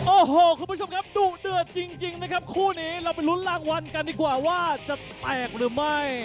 โอ้โหคุณผู้ชมครับดุเดือดจริงนะครับคู่นี้เราไปลุ้นรางวัลกันดีกว่าว่าจะแตกหรือไม่